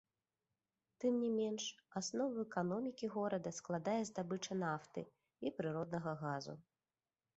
Тым не менш, аснову эканомікі горада складае здабыча нафты і прыроднага газу.